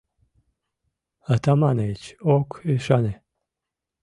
— Атаманыч ок ӱшане.